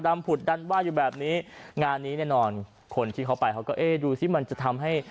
ผุดดันว่าอยู่แบบนี้งานนี้แน่นอนคนที่เขาไปเขาก็เอ๊ะดูสิมันจะทำให้